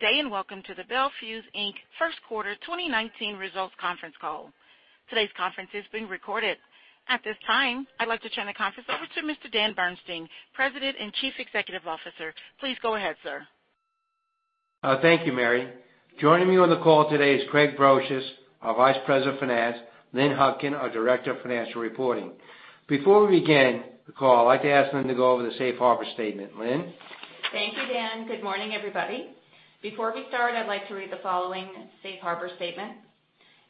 Good day. Welcome to the Bel Fuse Inc. First Quarter 2019 Results Conference Call. Today's conference is being recorded. At this time, I'd like to turn the conference over to Mr. Dan Bernstein, President and Chief Executive Officer. Please go ahead, sir. Thank you, Mary. Joining me on the call today is Craig Brosius, our Vice President of Finance, Lynn Hutkin, our Director of Financial Reporting. Before we begin the call, I'd like to ask Lynn to go over the safe harbor statement. Lynn? Thank you, Dan. Good morning, everybody. Before we start, I'd like to read the following safe harbor statement.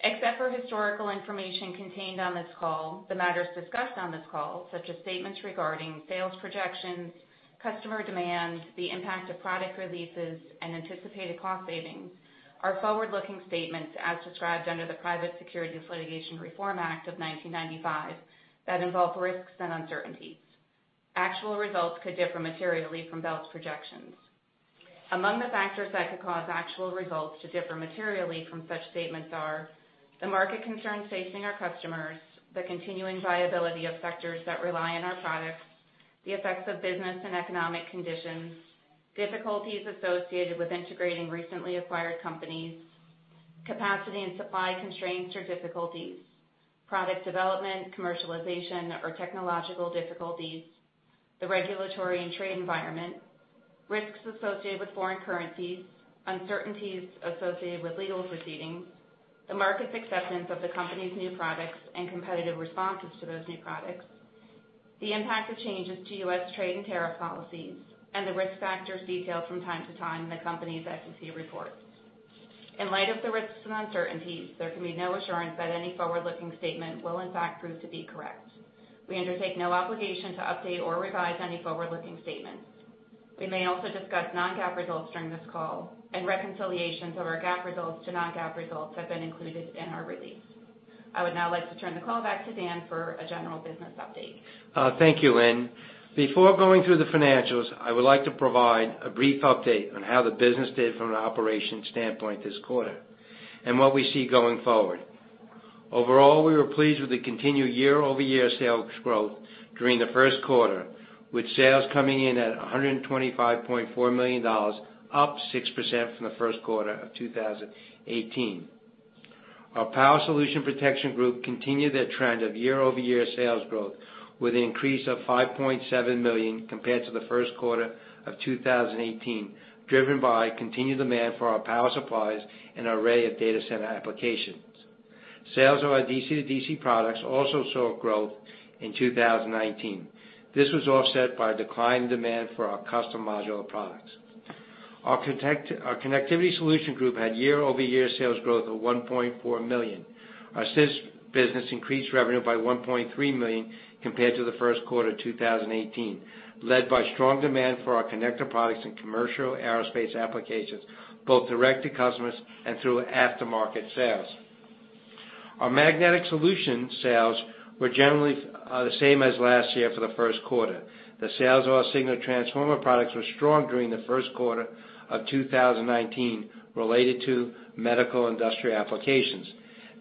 Except for historical information contained on this call, the matters discussed on this call, such as statements regarding sales projections, customer demand, the impact of product releases, and anticipated cost savings, are forward-looking statements as described under the Private Securities Litigation Reform Act of 1995 that involve risks and uncertainties. Actual results could differ materially from Bel's projections. Among the factors that could cause actual results to differ materially from such statements are the market concerns facing our customers, the continuing viability of sectors that rely on our products, the effects of business and economic conditions, difficulties associated with integrating recently acquired companies, capacity and supply constraints or difficulties, product development, commercialization, or technological difficulties, the regulatory and trade environment, risks associated with foreign currencies, uncertainties associated with legal proceedings, the market's acceptance of the company's new products and competitive responses to those new products, the impact of changes to U.S. trade and tariff policies, and the risk factors detailed from time to time in the company's SEC reports. In light of the risks and uncertainties, there can be no assurance that any forward-looking statement will in fact prove to be correct. We undertake no obligation to update or revise any forward-looking statements. We may also discuss non-GAAP results during this call, and reconciliations of our GAAP results to non-GAAP results have been included in our release. I would now like to turn the call back to Dan for a general business update. Thank you, Lynn. Before going through the financials, I would like to provide a brief update on how the business did from an operations standpoint this quarter and what we see going forward. Overall, we were pleased with the continued year-over-year sales growth during the first quarter, with sales coming in at $125.4 million, up 6% from the first quarter of 2018. Our Power Solutions and Protection group continued their trend of year-over-year sales growth with an increase of $5.7 million compared to the first quarter of 2018, driven by continued demand for our power supplies and array of data center applications. Sales of our DC-to-DC products also saw growth in 2019. This was offset by a decline in demand for our custom modular products. Our Connectivity Solutions Group had year-over-year sales growth of $1.4 million. Our CIS business increased revenue by $1.3 million compared to the first quarter 2018, led by strong demand for our connector products in commercial aerospace applications, both direct to customers and through aftermarket sales. Our Magnetic Solutions sales were generally the same as last year for the first quarter. The sales of our Signal Transformer products were strong during the first quarter of 2019 related to medical industrial applications.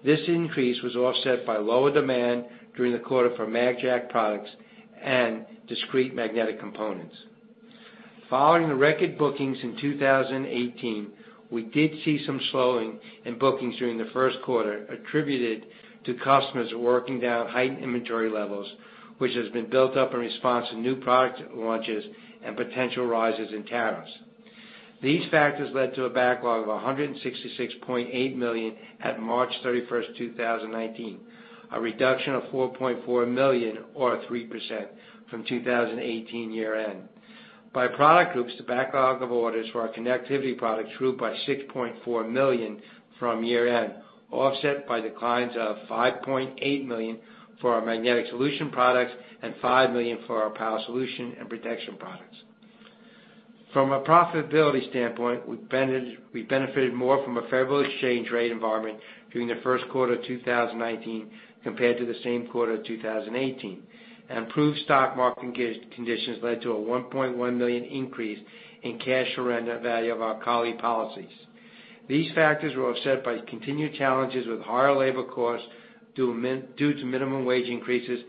This increase was offset by lower demand during the quarter for MagJack products and discrete magnetic components. Following the record bookings in 2018, we did see some slowing in bookings during the first quarter attributed to customers working down heightened inventory levels, which has been built up in response to new product launches and potential rises in tariffs. These factors led to a backlog of $166.8 million at March 31st, 2019, a reduction of $4.4 million, or 3%, from 2018 year-end. By product groups, the backlog of orders for our Connectivity Solutions products grew by $6.4 million from year-end, offset by declines of $5.8 million for our Magnetic Solutions products and $5 million for our Power Solutions and Protection products. From a profitability standpoint, we benefited more from a favorable exchange rate environment during the first quarter 2019 compared to the same quarter 2018. Improved stock market conditions led to a $1.1 million increase in cash surrender value of our COLI policies. These factors were offset by continued challenges with higher labor costs due to minimum wage increases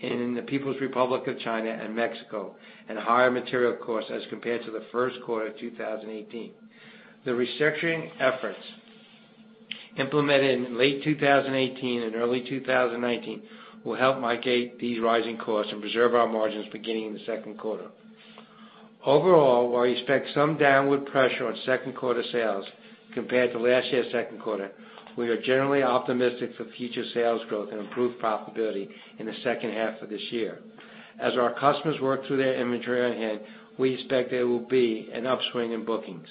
in the People's Republic of China and Mexico and higher material costs as compared to the first quarter of 2018. The restructuring efforts implemented in late 2018 and early 2019 will help mitigate these rising costs and preserve our margins beginning in the second quarter. Overall, while we expect some downward pressure on second quarter sales compared to last year's second quarter, we are generally optimistic for future sales growth and improved profitability in the second half of this year. As our customers work through their inventory on hand, we expect there will be an upswing in bookings.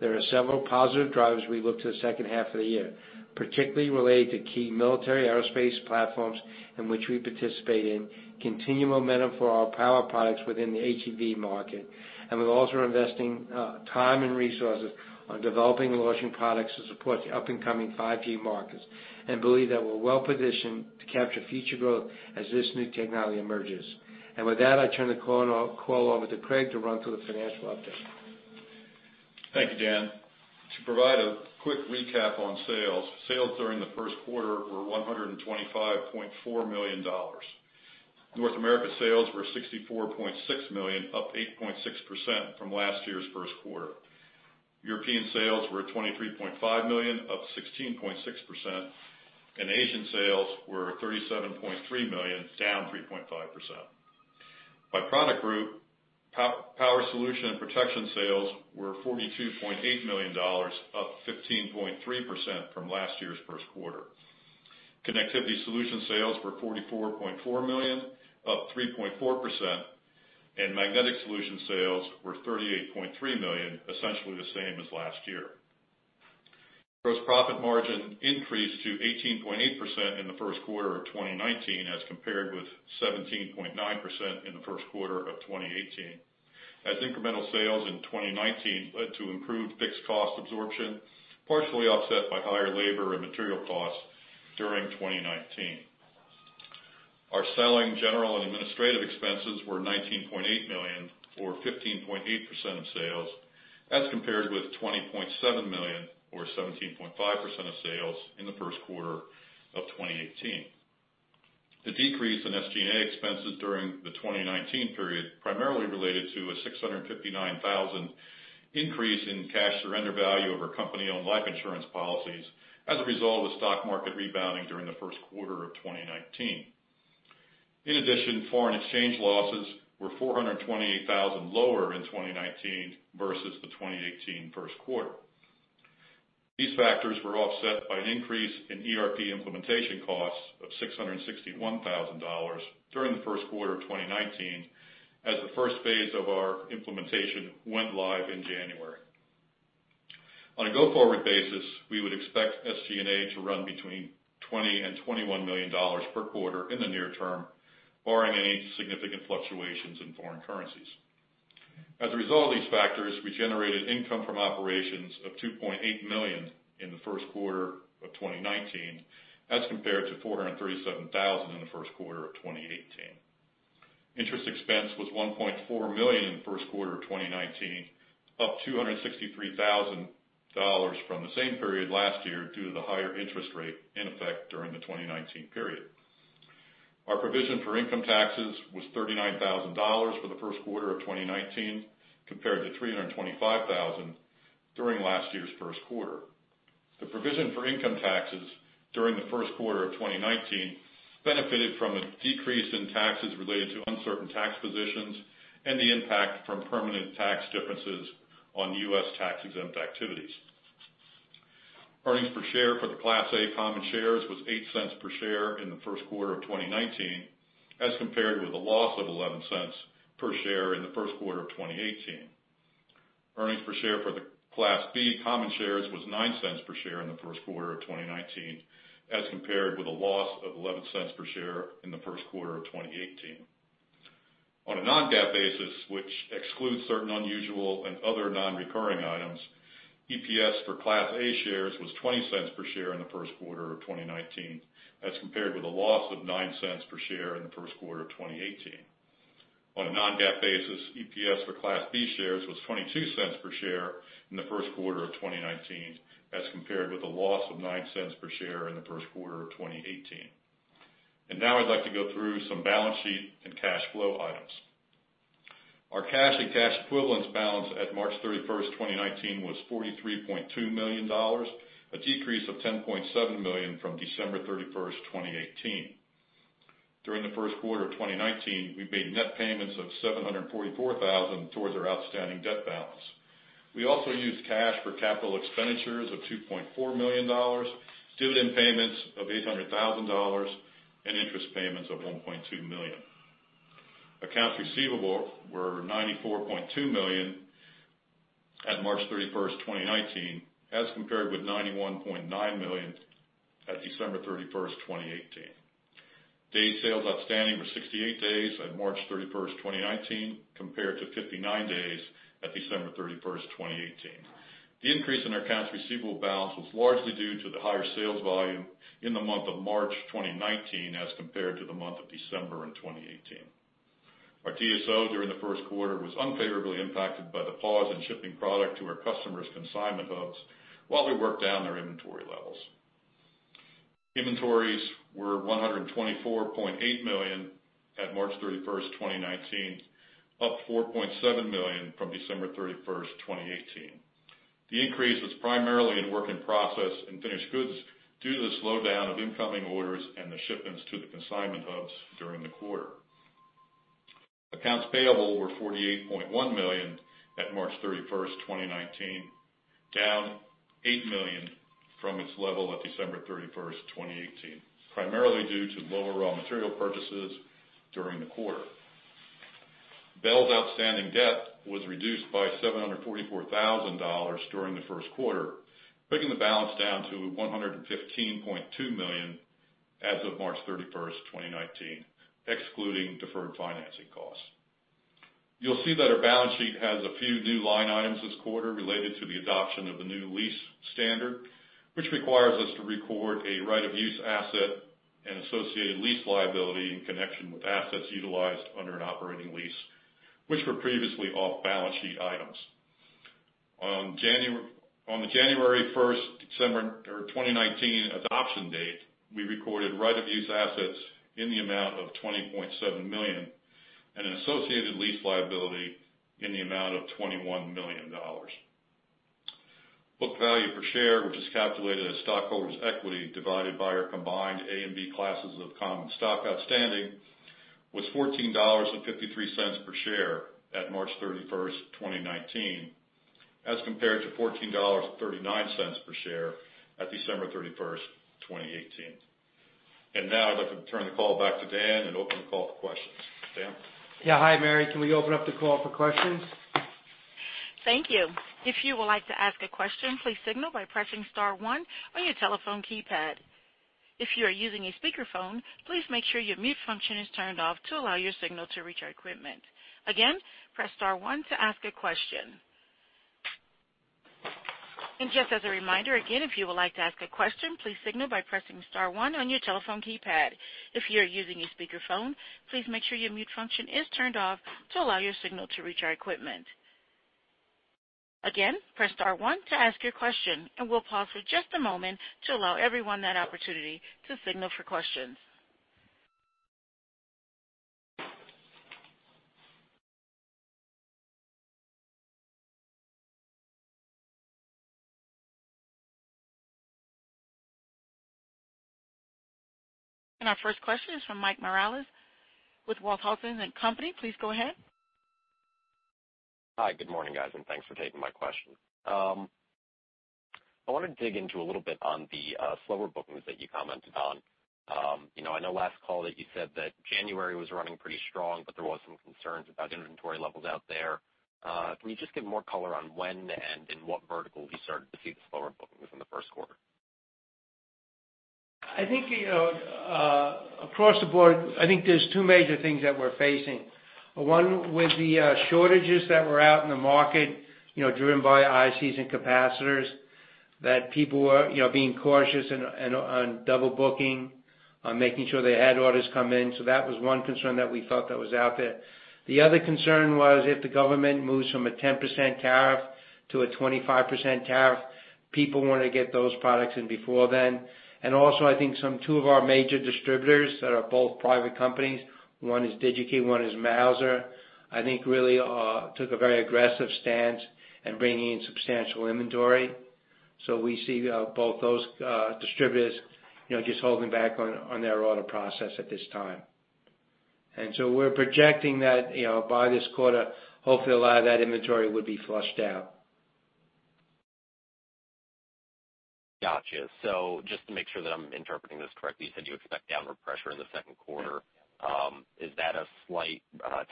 There are several positive drivers we look to the second half of the year, particularly related to key military aerospace platforms in which we participate in, continued momentum for our power products within the HEV market, and we're also investing time and resources on developing and launching products to support the up-and-coming 5G markets and believe that we're well-positioned to capture future growth as this new technology emerges. With that, I turn the call over to Craig to run through the financial update. Thank you, Dan. To provide a quick recap on sales during the first quarter were $125.4 million. North America sales were $64.6 million, up 8.6% from last year's first quarter. European sales were $23.5 million, up 16.6%, and Asian sales were $37.3 million, down 3.5%. By product group, Power Solutions and Protection sales were $42.8 million, up 15.3% from last year's first quarter. Connectivity Solutions sales were $44.4 million, up 3.4%, and Magnetic Solutions sales were $38.3 million, essentially the same as last year. Gross profit margin increased to 18.8% in the first quarter of 2019 as compared with 17.9% in the first quarter of 2018, as incremental sales in 2019 led to improved fixed cost absorption, partially offset by higher labor and material costs during 2019. Our selling general and administrative expenses were $19.8 million or 15.8% of sales as compared with $20.7 million or 17.5% of sales in the first quarter of 2018. The decrease in SG&A expenses during the 2019 period primarily related to a $659,000 increase in cash surrender value over Company-Owned Life Insurance policies as a result of stock market rebounding during the first quarter of 2019. In addition, foreign exchange losses were $428,000 lower in 2019 versus the 2018 first quarter. These factors were offset by an increase in ERP implementation costs of $661,000 during the first quarter of 2019, as the first phase of our implementation went live in January. On a go-forward basis, we would expect SG&A to run between $20 million and $21 million per quarter in the near term, barring any significant fluctuations in foreign currencies. As a result of these factors, we generated income from operations of $2.8 million in the first quarter of 2019 as compared to $437,000 in the first quarter of 2018. Interest expense was $1.4 million in the first quarter of 2019, up $263,000 from the same period last year due to the higher interest rate in effect during the 2019 period. Our provision for income taxes was $39,000 for the first quarter of 2019, compared to $325,000 during last year's first quarter. The provision for income taxes during the first quarter of 2019 benefited from a decrease in taxes related to uncertain tax positions and the impact from permanent tax differences on U.S. tax-exempt activities. Earnings per share for the Class A common shares was $0.08 per share in the first quarter of 2019 as compared with a loss of $0.11 per share in the first quarter of 2018. Earnings per share for the Class B common shares was $0.09 per share in the first quarter of 2019 as compared with a loss of $0.11 per share in the first quarter of 2018. On a non-GAAP basis, which excludes certain unusual and other non-recurring items, EPS for Class A shares was $0.20 per share in the first quarter of 2019 as compared with a loss of $0.09 per share in the first quarter of 2018. On a non-GAAP basis, EPS for Class B shares was $0.22 per share in the first quarter of 2019 as compared with a loss of $0.09 per share in the first quarter of 2018. Now I'd like to go through some balance sheet and cash flow items. Our cash and cash equivalents balance at March 31st, 2019 was $43.2 million, a decrease of $10.7 million from December 31st, 2018. During the first quarter of 2019, we made net payments of $744,000 towards our outstanding debt balance. We also used cash for capital expenditures of $2.4 million, dividend payments of $800,000, and interest payments of $1.2 million. Accounts receivable were $94.2 million at March 31st, 2019 as compared with $91.9 million at December 31st, 2018. Days Sales Outstanding were 68 days at March 31st, 2019 compared to 59 days at December 31st, 2018. The increase in our accounts receivable balance was largely due to the higher sales volume in the month of March 2019 as compared to the month of December in 2018. Our DSO during the first quarter was unfavorably impacted by the pause in shipping product to our customers' consignment hubs while we worked down their inventory levels. Inventories were $124.8 million at March 31st, 2019, up $4.7 million from December 31st, 2018. The increase was primarily in work in process and finished goods due to the slowdown of incoming orders and the shipments to the consignment hubs during the quarter. Accounts payable were $48.1 million at March 31st, 2019, down $8 million from its level at December 31st, 2018, primarily due to lower raw material purchases during the quarter. Bel's outstanding debt was reduced by $744,000 during the first quarter, bringing the balance down to $115.2 million as of March 31st, 2019, excluding deferred financing costs. You'll see that our balance sheet has a few new line items this quarter related to the adoption of the new lease standard, which requires us to record a right of use asset and associated lease liability in connection with assets utilized under an operating lease, which were previously off-balance-sheet items. On the January 1st, 2019 adoption date, we recorded right of use assets in the amount of $20.7 million and an associated lease liability in the amount of $21 million. Book value per share, which is calculated as stockholders' equity divided by our combined Class A and Class B classes of common stock outstanding, was $14.53 per share at March 31st, 2019, as compared to $14.39 per share at December 31st, 2018. Now I'd like to turn the call back to Dan and open the call for questions. Dan? Yeah. Hi, Mary. Can we open up the call for questions? Thank you. If you would like to ask a question, please signal by pressing star one on your telephone keypad. If you are using a speakerphone, please make sure your mute function is turned off to allow your signal to reach our equipment. Again, press star one to ask a question. Just as a reminder, again, if you would like to ask a question, please signal by pressing star one on your telephone keypad. If you are using a speakerphone, please make sure your mute function is turned off to allow your signal to reach our equipment. Again, press star one to ask your question, and we'll pause for just a moment to allow everyone that opportunity to signal for questions. Our first question is from Mike Morales with Walthausen & Company. Please go ahead. Hi, good morning, guys, and thanks for taking my question. I want to dig into a little bit on the slower bookings that you commented on. I know last call that you said that January was running pretty strong, but there was some concerns about inventory levels out there. Can you just give more color on when and in what vertical you started to see the slower bookings in the first quarter? Across the board, I think there's two major things that we're facing. One with the shortages that were out in the market, driven by ICs and capacitors, that people were being cautious on double booking, on making sure they had orders come in. That was one concern that we thought that was out there. The other concern was if the government moves from a 10% tariff to a 25% tariff, people want to get those products in before then. Also I think two of our major distributors that are both private companies, one is DigiKey, one is Mouser, I think really took a very aggressive stance in bringing in substantial inventory. We see both those distributors just holding back on their order process at this time. We're projecting that by this quarter, hopefully a lot of that inventory would be flushed out. Got you. Just to make sure that I'm interpreting this correctly, you said you expect downward pressure in the second quarter. Is that a slight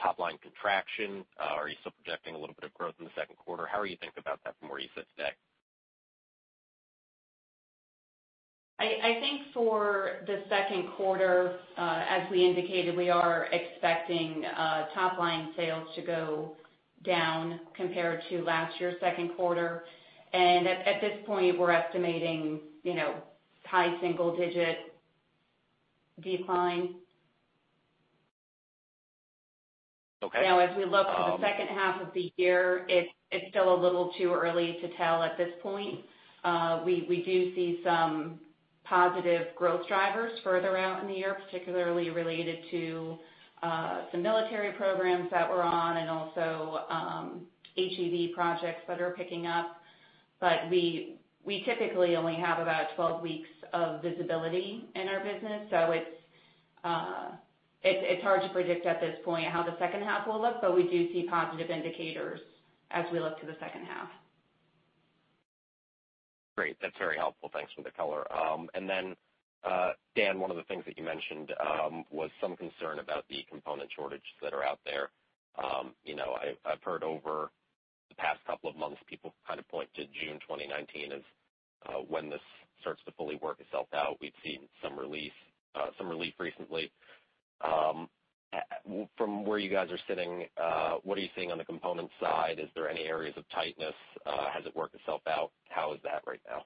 top-line contraction? Are you still projecting a little bit of growth in the second quarter? How are you thinking about that from where you sit today? I think for the second quarter, as we indicated, we are expecting top-line sales to go down compared to last year's second quarter. At this point, we're estimating high single-digit decline. Okay. As we look to the second half of the year, it's still a little too early to tell at this point. We do see some positive growth drivers further out in the year, particularly related to some military programs that we're on and also HEV projects that are picking up. We typically only have about 12 weeks of visibility in our business, it's hard to predict at this point how the second half will look, we do see positive indicators as we look to the second half. Great. That's very helpful. Thanks for the color. Dan, one of the things that you mentioned was some concern about the component shortages that are out there. I've heard over the past couple of months, people kind of point to June 2019 as when this starts to fully work itself out. We've seen some relief recently. From where you guys are sitting, what are you seeing on the component side? Is there any areas of tightness? Has it worked itself out? How is that right now?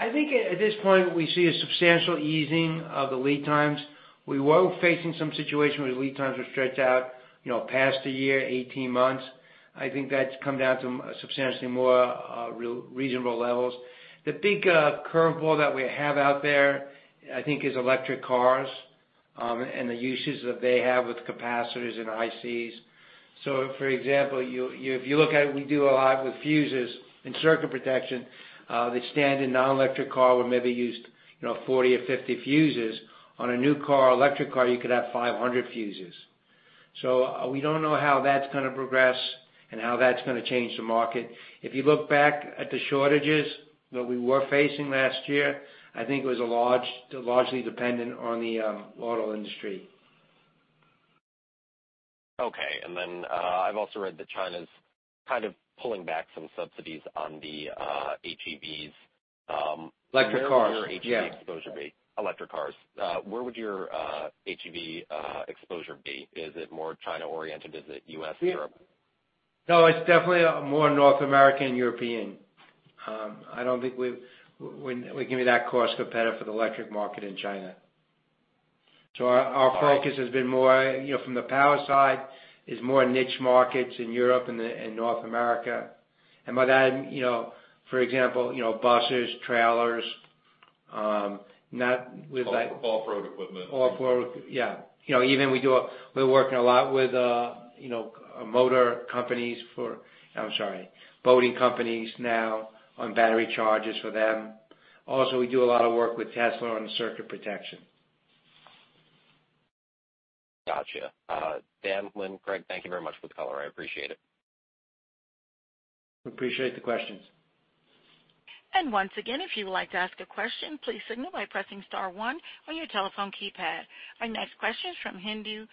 I think at this point, we see a substantial easing of the lead times. We were facing some situations where lead times were stretched out past a year, 18 months. I think that's come down to substantially more reasonable levels. The big curveball that we have out there, I think, is electric cars, and the usage that they have with capacitors and ICs. For example, if you look at we do a lot with fuses and circuit protection, the standard non-electric car would maybe use 40 or 50 fuses. On a new car, electric car, you could have 500 fuses. We don't know how that's going to progress and how that's going to change the market. If you look back at the shortages that we were facing last year, I think it was largely dependent on the auto industry. Okay. I've also read that China's kind of pulling back some subsidies on the HEVs. Electric cars. Yeah. Electric cars. Where would your HEV exposure be? Is it more China oriented? Is it U.S., Europe? No, it's definitely more North American, European. I don't think we can be that cost competitive for the electric market in China. Our focus has been more from the power side, is more niche markets in Europe and North America. By that, for example, buses, trailers, not with. Off-road equipment. Off-road. Yeah. We're working a lot with boating companies now on battery chargers for them. Also, we do a lot of work with Tesla on circuit protection. Got you. Dan, Lynn, Craig, thank you very much for the color. I appreciate it. Appreciate the questions. Once again, if you would like to ask a question, please signal by pressing star one on your telephone keypad. Our next question is from Hendi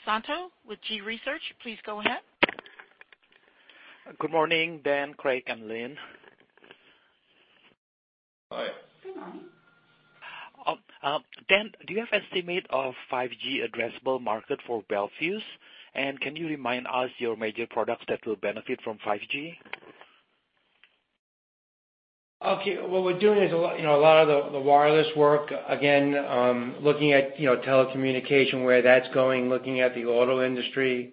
Susanto with Gabelli Funds. Please go ahead. Good morning, Dan, Craig, and Lynn. Hi. Good morning. Dan, do you have estimate of 5G addressable market for Bel Fuse? Can you remind us your major products that will benefit from 5G? Okay. What we're doing is a lot of the wireless work, again, looking at telecommunication, where that's going, looking at the auto industry,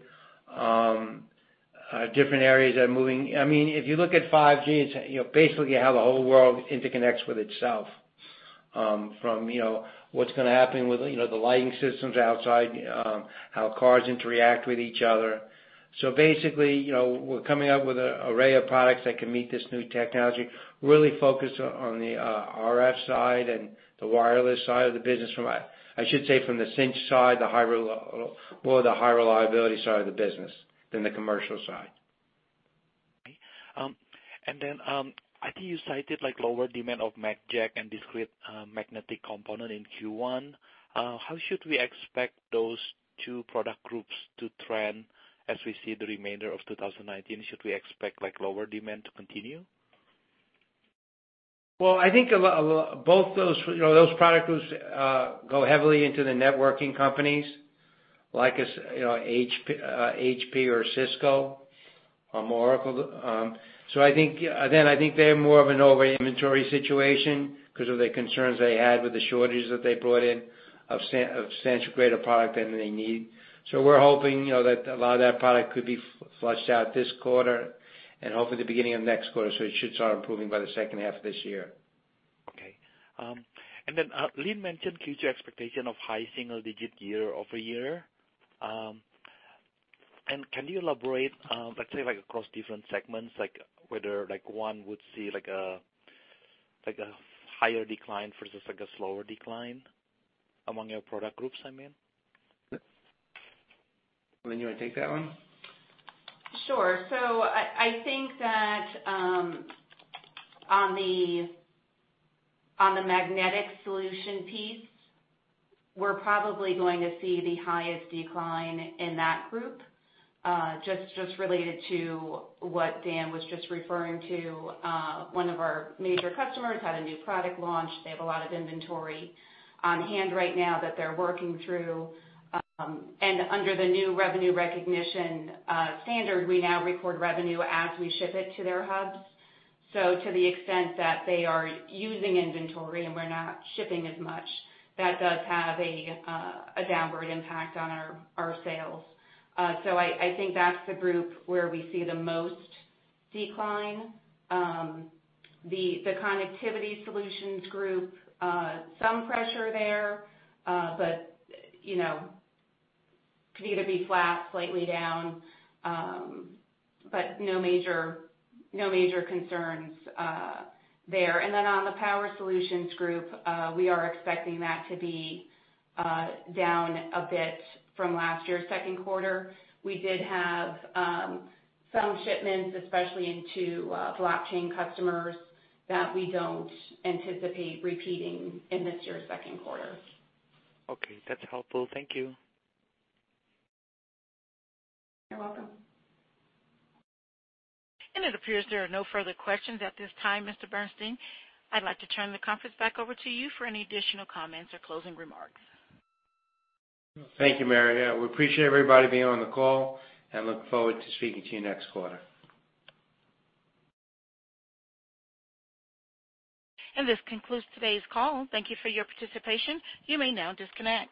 different areas that are moving. If you look at 5G, basically, you have the whole world interconnects with itself, from what's going to happen with the lighting systems outside, how cars interact with each other. Basically, we're coming up with an array of products that can meet this new technology, really focused on the RF side and the wireless side of the business from a I should say, from the Cinch side, the high reliability side of the business than the commercial side. Okay. Then, I think you cited lower demand of MagJack and discrete magnetic component in Q1. How should we expect those two product groups to trend as we see the remainder of 2019? Should we expect lower demand to continue? I think both those product groups go heavily into the networking companies like HP or Cisco or Oracle. I think they have more of an over-inventory situation because of the concerns they had with the shortages that they brought in of substantially greater product than they need. We're hoping that a lot of that product could be flushed out this quarter and hopefully the beginning of next quarter. It should start improving by the second half of this year. Okay. Lynn mentioned future expectation of high single-digit year-over-year. Can you elaborate, let's say, across different segments, whether one would see a higher decline versus a slower decline among your product groups, I mean? Lynn, you want to take that one? Sure. I think that on the Magnetic Solutions piece, we're probably going to see the highest decline in that group. Just related to what Dan was just referring to, one of our major customers had a new product launch. They have a lot of inventory on hand right now that they're working through. Under the new revenue recognition standard, we now record revenue as we ship it to their hubs. To the extent that they are using inventory and we're not shipping as much, that does have a downward impact on our sales. I think that's the group where we see the most decline. The Connectivity Solutions group, some pressure there. Could either be flat, slightly down, no major concerns there. On the Power Solutions group, we are expecting that to be down a bit from last year's second quarter. We did have some shipments, especially into blockchain customers, that we don't anticipate repeating in this year's second quarter. Okay. That's helpful. Thank you. You're welcome. It appears there are no further questions at this time, Mr. Bernstein. I'd like to turn the conference back over to you for any additional comments or closing remarks. Thank you, Mary. We appreciate everybody being on the call and look forward to speaking to you next quarter. This concludes today's call. Thank you for your participation. You may now disconnect.